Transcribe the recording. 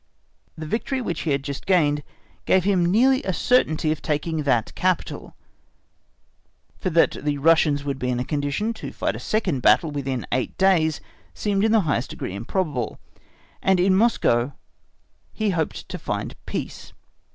The victory which he had just gained gave him nearly a certainty of taking that capital, for that the Russians would be in a condition to fight a second battle within eight days seemed in the highest degree improbable; and in Moscow he hoped to find peace.